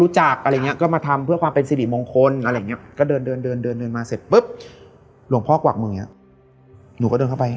จนประมาณ๖โมงเช้า